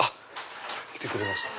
来てくれました。